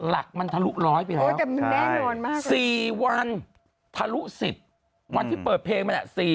อยากกันเยี่ยม